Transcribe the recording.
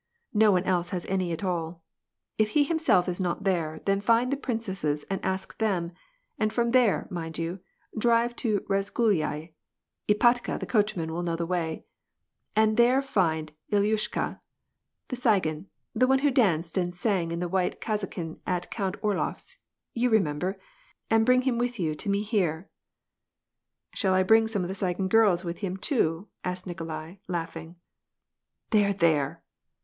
N one else has any at all. If he himself is not there, then fin the princesses and ask them, and from there, mind you, dri to the Razgulyai — Ipatka, the coachman will know the way and there find Ilyushka the Tsigan, the one who danced an sang in a white kazakin at Count Orlof s, you remember, aii bring him with you to me here." "Shall I bring some of the Tsigan girls with him too,' asked Nikolai, laughing." " There ! there